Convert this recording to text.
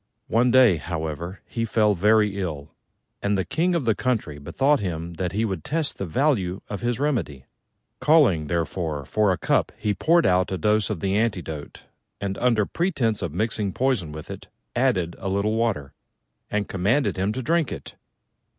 One day, however, he fell very ill; and the King of the country bethought him that he would test the value of his remedy. Calling, therefore, for a cup, he poured out a dose of the antidote, and, under pretence of mixing poison with it, added a little water, and commanded him to drink it.